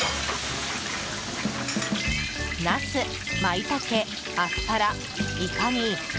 ナス、マイタケ、アスパライカに。